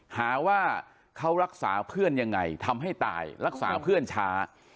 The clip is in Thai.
หาว่าเขารักษาเพื่อนยังไงทำให้ตายรักษาเพื่อนช้า